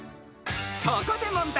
［そこで問題］